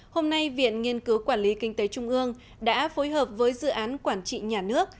hôm nay viện nghiên cứu quản lý kinh tế trung ương đã phối hợp với dự án quản trị nhà nước